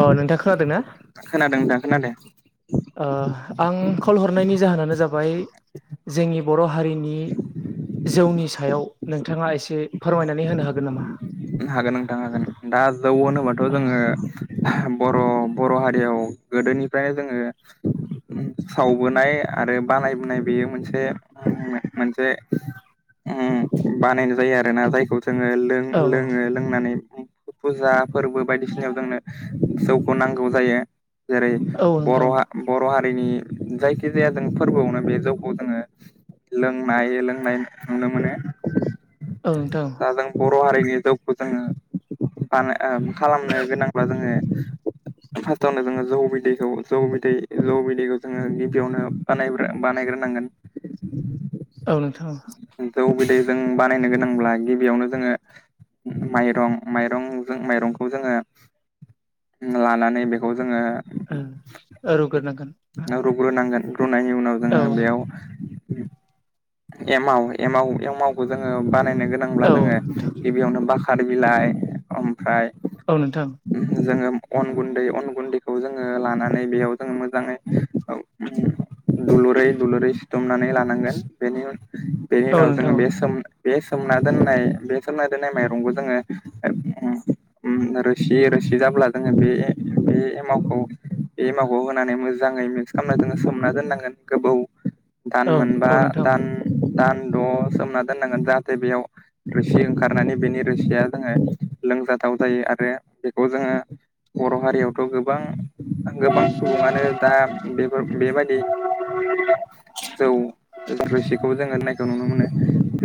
अ नोंथां खोनादों ना खोनादों नोंथां खोनादों ओ आं कल हरनायनि जाहोनानो जाबाय जोंनि बर' हारिनि जौनि सायाव नोंथाङा एसे फोरमायनानै होनो हागोन नामा हागोन नोंथां हागोन दा जौ होनोबाथ' औ जोङो बर' बर' हारियाव गोदोनिफ्रायनो जोङो सावबोनाय आरो बानायबोनाय बेयो मोनसे मोनसे ओम बानायनाय जायो आरोना जायखौ जोङो लो औ लोङो लोंनानै फुजा फोरबो बायदिसिनायाव जोंनो जौखौ नांगौ जायो जेरै औ नोंथां बर' बर' हारि रिनि जायखि जाया जों फोरबोआवनो बे जौखौ जोङो लोंनाय लोंनाय नुनो मोनो औ नोंथां दा जों बर' हारिखौ। बे जौखौ जोङो बा ओ खालामनो गोनांब्ला जोङो फार्स्टआवनो जोङो जौ बिदैखौ जौ बिदै जौ बिदैखौ जोङो गिबियावनो बानाय बानायग्रो नांगोन औ नोंथां। जों बानायनो गोनांब्ला गिबियावनो जोङो।। माइरं माइरंजों माइरंखौ जोङो औ रुग्रोनांगोन जोङो रुग्रोनांगोन रुनायनि उनाव औ जोङो बेयाव एमाव एमाव एमावखौ जोङो बानायनो गोनांब्ला औ जोङो नोंथां बेयावनो बाखार बिलाइ ओमफ्राय औ नोंथां जोङो अन गुन्दै अन गुन्दैखौ जोङो लानानै बेयाव जोङो मोजाङै दुलुरै दुलुरै सिथुमनानै लानांगोन औ नोंथां बेनि बे सोमना दोननाय बे सोननाय दोननाय माइरंखौ जोङो ओ ओम रोसि रोसि जाब्ला जोङो बे बे एमावखौ बे एमावखौ होनानै मोजाङै मिन्स खालामना जोङो सोमना दोननांगोन गोबौ दान औ मोनबा औ नोंथां दान दान द' सोमना दोननांगोन जाहाथे बेयाव रोसि ओंखारनानै बेनि रोसिया जोङो लोंजाथाव जायो आरो बेखौ जोङो बर' हारियावथ' गोबां गोबां सुबुङानो दा बेफोर बेबायदि जौ रोसिखौबो जोङो लोंनायखौ नुनो मोनो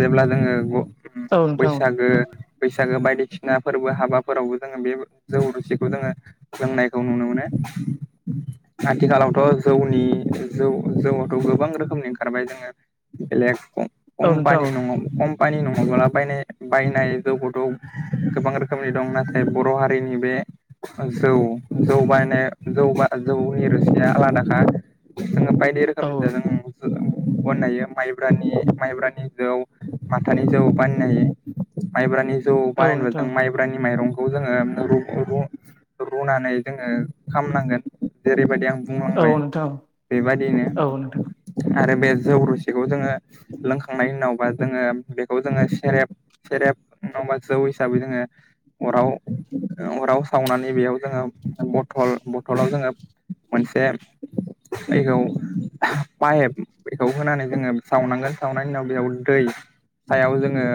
जेब्ला जोङो औ नोंथां बैसागो बैसागो बायदि [unintelligible] फोरबो हाबाफोरावबो जोङो बे जौ रुसिखौ जोङो लोंनायखौ नुनो मोनो। आथिखालावथ' जौनि जौ जौआवथ' गोबां रोखोमनि ओंखारबाय जोङो। बेलेग क औ कम्पानि नोंथां न कम्पानि नङाब्ला बायनाय। बायनाय जौखौथ' गोबां रोखोमनि दं नाथाय बर' हारिनि बे जौ जौ बनाय जौ जौनि रुसिया आलादाखा। जोंङो बायदि औ रोखोम [unintelligible] बानायायो माइब्रानि माइब्रानि जौ माथानि जौ बानायो। माइब्रानि जौ औ बानायनोबा नोंथां जों माइब्रानि माइरं खौ जोङो जैरैबायदि आं औ बुंलांबाय नोंथां बेबादिनो औ नोंथां आरो बे जौ रुसेखौ जोङो लोंखांनायनि उनावबा जोङो बेखौ जोङो सेरेब सेरेब नङबा जौ हिसाबै जोङो अराव अराव सावनानै बेयाव जोङो बथल बथलाव जोङो मोनसे [unintelligible] पाइप बेखौ होनानै जोङो सावनांगोन सावनायनि उनाव बेयाव दै सायाव जोङो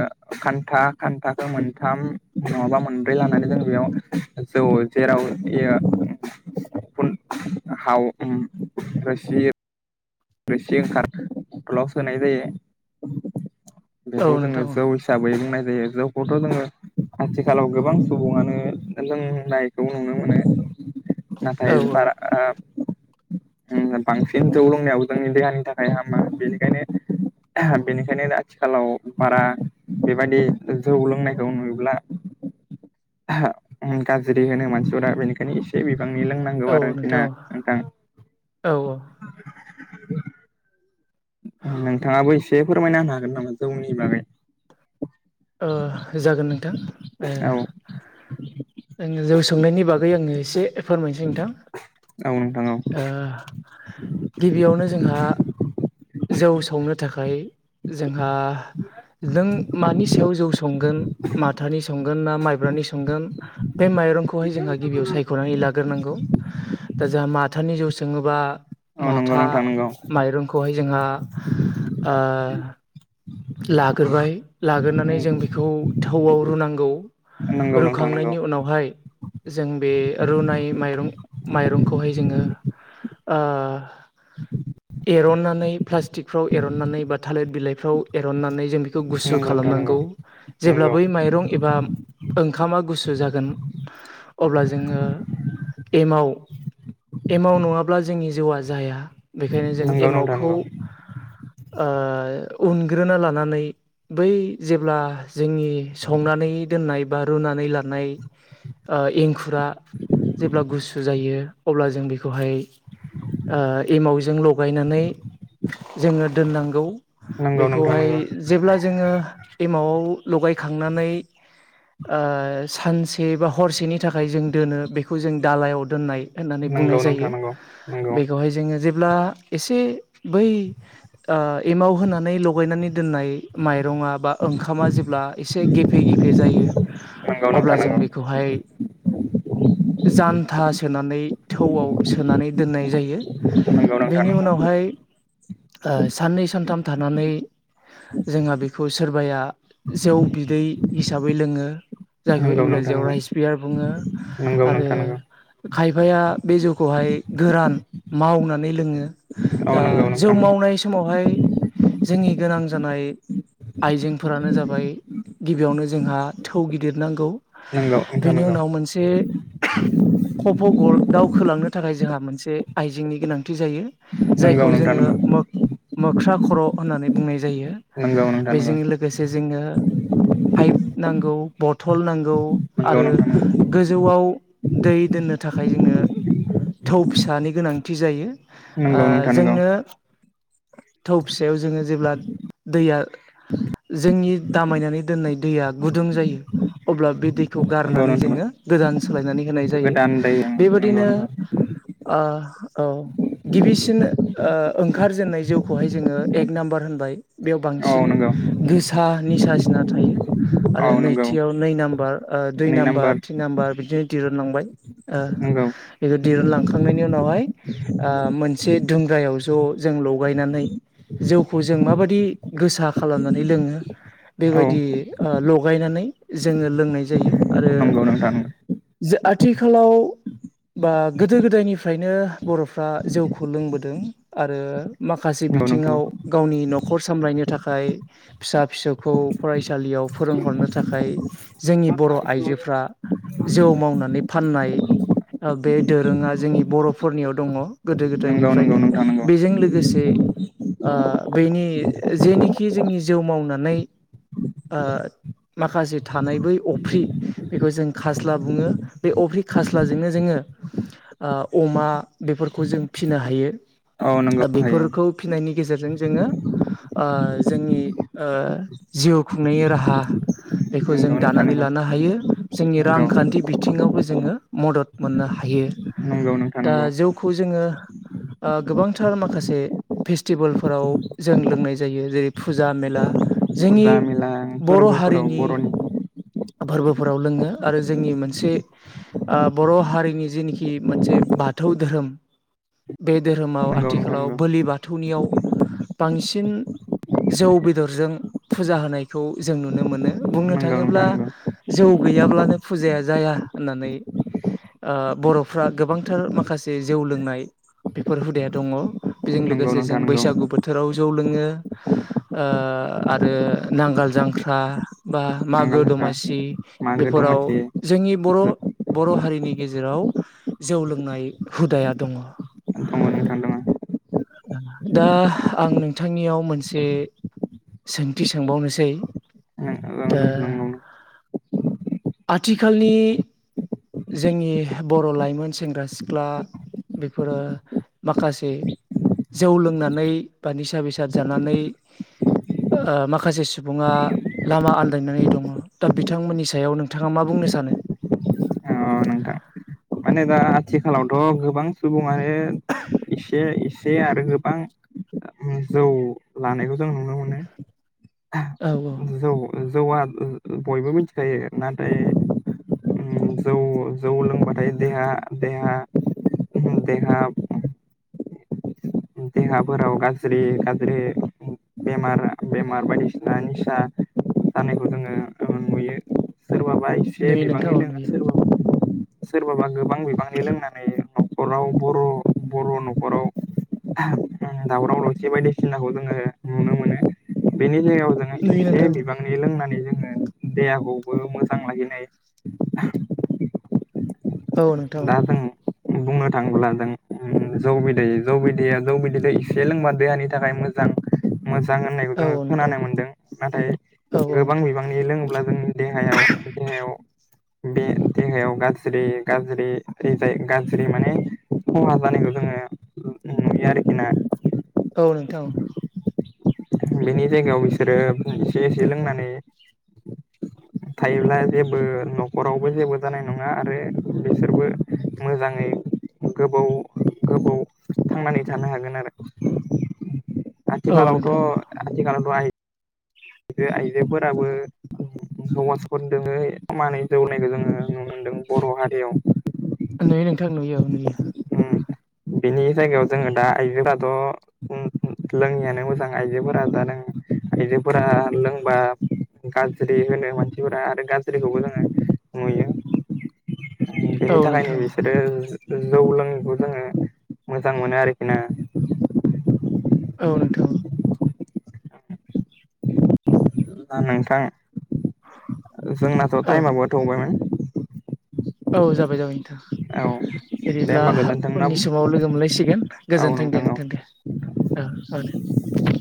खान्था खान्थाखौ मोनथाम नङाबा मोनब्रै लानानै जों बेयाव जौ जेराव [unintelligible] हाव [unintelligible] [unintelligible] औ बेखौ जोङो नोंथां जौ हिसाबै बुंनाय जायो जौखौथ' जोङो। आथिखालाव गोबां सुबुङानो लोंनायखौ नुनो मोनो। औ नाथाय बारा ओम बांसिन जौ लोंनायाव जोंनि देहानि थाखाय हामा बेनिखायनो बेनिखायनो आथिखालाव बारा बेबायदि जौ लोंनायखौ नुयोब्ला। [unintelligible] गाज्रि होनो मानसिफोरा बेनिखायनो एसे बे बिबांनि लोंनांगौ औ आरोखि नोंथां ना नोंथां। औ नोंथाङाबो एसे फोरमायना होनो हागोन नामा जौनि बागै अ जागोन नोंथां ओ। औ आङो जौ सोंनायनि बागै आङो एसे फोरमायनोसै नोंथां औ नोंथां औ ओ गिबियावनो जोंहा जौ सावनो थाखाय जों आ जों मानि सायाव जौ संगोन माथानि सं गोन ना माइब्रानि संगोन बे माइरंखौहाय जोंहा गिबियाव सायख'नानै लाग्रोनांगौ दा जोंहा माथानि जौसं ङोबा औ नंगौ माथा नोंथां नंगौ माइरंखौहाय जोंहा ओ लाग्रोबाय लाग्रोनानै जों बेखौ थौआव रुनांगौ नंगौ नोंथां नंगौ रुखांनायनि उनावहाय जों बे रुनाय माइरं माइरंखौहाय जोङो ओ [inaudible] एरननानै प्लास्टिकफ्राव एरननानै बा थालिर बिलाइफ्राव एरननानै जों बेखौ गुसु नंगौ नोंथां नंगौ खालामनांगौ जेब्ला नंगौ बै माइरं एबा ओंखामा गुसु जागोन अब्ला जोङो एमाव एमाव नङाब्ला जोंनि जौआ जाया बेखायनो जों नंगौ नोंथां एमावखौ नंगौ ओ उन ग्रोना लानानै बै जेब्ला जोंनि संनानै दोननाय बा रुनानै लानाय ओ एंखुरा जेब्ला गुसु जायो अब्ला जों बेखौहाय ओ एमावजों लगायनानै जोङो दोननांगौ नंगौ नोंथां बेखौहाय नंगौ जेब्ला जोङो एमावआव लगायखांनानै ओ सानसे बा हरसेनि थाखाय जों दोनो बेखौ जों दालायाव दोननाय होननानै नंगौ बुंनाय नोंथां जायो नंगौ नंगौ बेखौहाय जोङो जे ब्ला एसे बै ओ एमाव होनानै लगायनानै दोननाय माइरङा बा ओंखामा जेब्ला एसे गेफे गेफे जायो नंगौ अब्ला नोंथां नंगौ जों बेखौहाय जान्था सोनानै, थौआव सोनानै दोननाय जायो। बेनि उनावहाय, ओ साननै सानथाम थानानै जोंहा बेखौ सोरबाया जौ बिदै हिसाबै लोङो। जायखौ नंगौ नोंथां इंराजियाव राइस बियार बुङो नंगौ आरो नोंथां नंगौ खायफाया बे जौखौहाय गोरान मावनानै लोङो नंगौ नोंथां नंगौ औ दा नंगौ जौ नोंथां मावनाय समावहाय जोंनि गोनां जानाय आइजेंफोरानो जाबाय गिबियावनो जोंहा थौ गिदिर नांगौ। नंगौ नोंथां बेनि नंगौ उनाव मोनसे खफ'ग दावखोलांनो थाखाय जोंहा मोनसे आइजेंनि गोनांथि जायो। जायखौ जोङो मो मोख्रा ख होननानै बुंनाय जायो। नंगौ नोंथां नंगौ बेजों लोगोसे जोङो हाइफ नांगौ। बथल नांगौ नंगौ आरो नोंथां नंगौ गोजौआव दै दोननो थाखाय जोङो थौ फिसानि गोनांथि जायो। ओ नंगौ नोंथां नंगौ नोंथां नंगौ जोंनो थौ फिसायनाव जेब्ला दैया जों [unintelligible] नि दामायनानै दोनाय दैया गुदुं जायो अब्ला बे दै खौ नंगौ गारनानै नोंथां जोङो गोदान सोलायनानै होनाय जायो। गोदान दै नंगौ बेबायदिनो नंगौ ओ औ गिबिसिन ओ ओंखारजेननाय जौखौहाय जोङो एक नाम्बार होनबाय। बेयाव औ बांसिन नंगौ गोसा निसा सिना थायो। औ आरो नंगौ नैथियाव नै नाम्बार, दुइ नाम्बार, थिन नाम्बार, बिदिनो दहुनलांबाय। ओ नंगौ बेखौ दिरुनलांखांनायनि उनावहाय, ओ मोनसे दुंग्रायाव ज' जोंल' गायनानै, जौखौ जों माबायदि गोसा खालामनानै लोङो औ बेबायदि लगायनानै जोङो लोंनाय जायो आरो नंगौ नोंथां जे आथिखालाव बा गोदो गोदायनिफ्रायनो बर'फ्रा जौखौ लोंबोदों आरो माखासे नंगौ नंगौ नोंथां बिथिङाव गावनि न'खर सामलायनो थाखाय फिसा फिसौखौ फरायसालियाव फोरोंहरनो थाखाय जोंनि बर' आइजोफ्रा जौ मावनानै फाननाय, बे दोरोङा जोंनि बर'फोरनियाव दङ। गोदो नंगौ नंगौ गोदायनिफ्रायनो‌ नोंथां नंगौ बेजों लोगोसे ओ बेनि जेनोखि जोंनि जौ मावनानै ओ माखासे थानाय बै अफ्रि, बेखौ जों खास्ला बुङो, बे अफ्रि खास्लाजोंनो जोङो अमा बेफोरखौ जों फिसिनो हायो। औ नोंगौ हायो‌। बेफोरखौ फिनायनि गेजेरजों जोङो ओ जोंनि ओ जिउ खुंनायनि राहा बेखौ जों नंगौ नोंथां दानानै नंगौ लानो हायो। जोंनि नंगौ रांखान्थि बिथिङावबो जोङो मदद मोननो हायो। नंगौ नोंथां दा नंगौ। जौखौ जोङो ओ गोबांथार माखासे फेस्टिभेलफोराव जों लोंनाय जायो जेरै फुजा मेला जोंनि फुजा मेला बर' फोरबोफोराव हारिनि बर'नि फोर्बोफोराव लोङो। आरो जोंनि मोनसे ओ बर' हारिनि जेनेखि मोनसे बाथौ धोरोम बे धोरोमाव नंगौ नोंथां आथिखालाव नंगौ बोलि बाथौनियाव बांसिन जौ बेदरजों फुजा होनायखौ जों नुनो मोनो। बुंनो नंगौ नोंथां थाङोब्ला नंगौ जौ गैयाब्लानो फुजाया जाया होननानै बर'फ्रा गोबांथार माखासे जौ लोंनाय बेफोर हुदाया दङ। बेजों नंगौ लोगोसे जे नोंथां जों नंगौ बैसागु बोथोराव जौ लोङो आरो नांगाल जांख्रा बा नांगाल मागो जांख्रा दमासि मागो बेफोराव दमासि जोंनि बर' बर' हारिनि गेजेराव जौ लोंनाय हुदाया दङ। दङ नोंथां दङ दा आं नोंथांनियाव मोनसे सोंथि सोंबावनोसै ओ नंगौ आथिखालनि जोंनि बर' लाइमोन सेंग्रा सिख्ला बेफोरो माखासे जौ लोंनानै बा निसा बेसाद जानानै ओ माखासे सुबुङा लामा आनदायनानै दङ दा बिथांमोननि सायाव नोंथाङा मा बुंङो। बुंनो सानो [inaudible] नोंथां माने दा आथिखालावथ' गोबां सुबुङानो एसे- एसे आरो गोबां ओ जौ लानायखौ जों नुनो मोनो। औ औ जौ जौआ बयबो मिथिखायो नाथाय उम जौ जौ लोंबाथाय देहा देहा उम देहा दे देहाफोराव गाज्रि गाज्रि उम बेमार बेमार बायदिसिना निसा जानायखौ जोङो ओ नुयो। सोरबाबा एसे नुयो नोंथां बिबांनि औ लोङो नुयो सोरबाबा सोरबाबा गोबां बिबांनि लोंनानै न'खराव बर' बर' न'खराव आहा दावराव दावसि बायदिसिनाखौ जोङो नुनो मोनो। बेनि सायाव जोंङो नुयो एसे नोंथां बिबांनि लोंनानै जोङो देहाखौबो मोजां लाखिनो हायो। [inaudible] औ नोंथां दा ओं। जों बुंनो थाङोब्ला जों जौ बिदै जौ बिदै दैया जौ बिदिखौ एसे लोंबा देहानि थाखाय मोजां मोजां होननायखौ औ जोङो नोंथां खोनानो मोनदों। नाथाय औ गोबां नोंथां बिबांनि लोङोब्ला जोंनि देहायाव देहायाव बे देहायाव गाज्रि गाज्रिथिंजाय गाज्रि माने खहा जानायखौ जोङो नुयो आरोखि ना। औ नोंथां औ। बेनि जायगायाव बिसोरो एसे एसे लोंनानै थायोब्ला जेबो न'खरावबो जेबो जानाय नङा आरो बिसोरबो मोजाङै गोबाव गोबाव थांनानै थानो हागोन आरो। औ आथिखालावथ' नोंथां आथिखालावथ' आइ आइजो आइजोफोराबो [unintelligible] खमानै जौनायखौ जोङो नुनो मोनदों बर' हारियाव नुयो नोंथां नुयो नुयो। बेनि जायगायाव जोङो दा आइजोफोराथ' उम हु लोङियानो मोजां आइजोफोरा जादों आइजो फोरा लोंबा गाज्रि होनो मानसिफोरा आरो गाज्रिखौबो जोङो नुयो। बेनि औ थाखायनो नोंथां बिसोरो जौ लोङैखौ जोङो मोजां मोनो आरोखि ना। औ नोंथां। ना नोंथां? जोंनाथ' औ टाइमाबो थौबायमोन। औ जाबाय जाबाय नोंथां। औ दे बिदिब्ला होमबा गोजोन्थों ना उननि औ समाव लोगो मोनलायसिगोन गोजोन्थों दे नोंथां दे। ओ ओ दे।